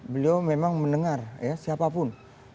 beliau memang mendengar siapapun